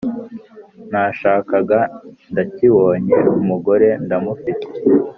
Nashakaga ndakibonye umugore ndamufite